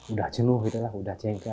udah jenuh udah jengkel